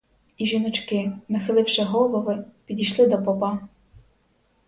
І жіночки, нахиливши голови, підійшли до попа.